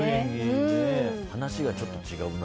話がちょっと違うな。